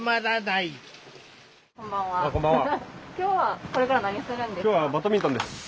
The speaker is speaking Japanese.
今日はこれから何するんですか？